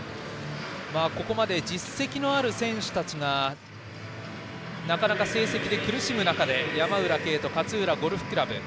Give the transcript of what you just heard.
ここまで実績のある選手たちがなかなか成績で苦しむ中で、山浦渓斗勝浦ゴルフ倶楽部。